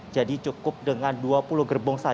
jadi cukup dengan dua puluh gerbong